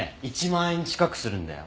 １万円近くするんだよ。